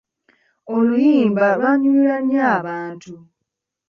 Oluyimba lwanyumira nnyo abantu.